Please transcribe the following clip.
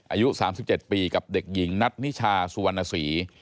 อายุ๓๗ปีกับเด็กหญิงนัทนิชาสุวรรณศรี